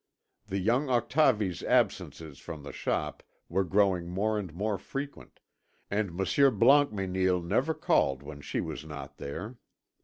The young Octavie's absences from the shop were growing more and more frequent, and Monsieur Blancmesnil never called when she was not there.